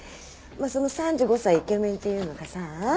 まあその３５歳イケメンっていうのがさ